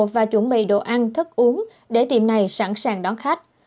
và chuẩn bị đồ ăn thức uống để tiệm này sẵn sàng đón khách